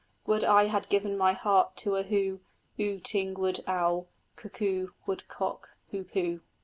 Would I had given my heart to a hoo Oo ting wood owl, cuckoo, woodcock, hoopoo!